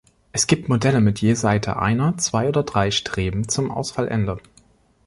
Es gibt Modelle mit je Seite einer, zwei oder drei Streben zum Ausfallende.